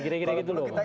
kira kira gitu loh pak